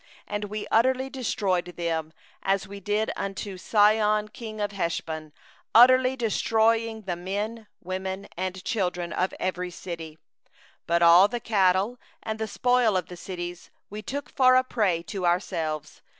6And we utterly destroyed them, as we did unto Sihon king of Heshbon, utterly destroying every city, the men, and the women, and the little ones. 7But all the cattle, and the spoil of the cities, we took for a prey unto ourselves.